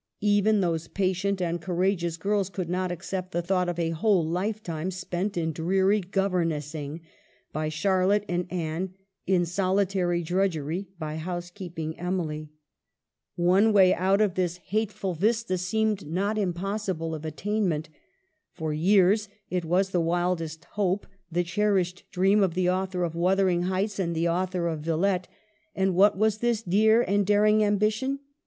Even those patient and cour ageous girls could not accept the thought of a whole lifetime spent in dreary governessing by Charlotte and Anne, in solitary drudgery by homekeeping Emily. One way out of this hate GIRLHOOD AT HA WORTH. gi ful vista seemed not impossible of attainment. For years it was the wildest hope, the cherished dream, of the author of ' Wuthering Heights ' and the author of ' Villette.' And what was this dear and daring ambition